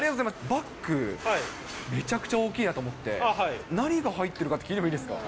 バッグ、めちゃくちゃ大きなと思って、何が入っているかって、聞いてもいいですか？